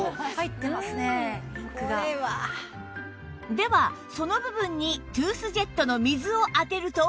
ではその部分にトゥースジェットの水を当てると